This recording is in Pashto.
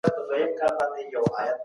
ده د سوات اقتصادي حالت تشريح کړ